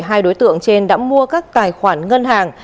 hai đối tượng trên đã mua các tài khoản ngân hàng